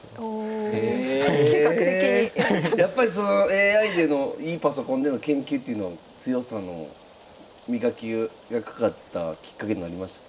ＡＩでのいいパソコンでの研究というのは強さの磨きがかかったきっかけになりましたか？